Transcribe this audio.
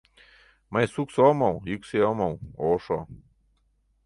Мый суксо омыл, йӱксӧ омыл, ошо.